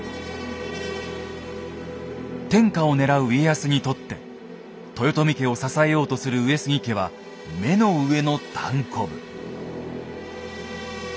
天下を狙う家康にとって豊臣家を支えようとする上杉家は目の上のたんこぶ。